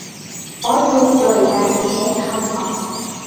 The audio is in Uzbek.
• Ot yo‘q joyda eshak ham ot.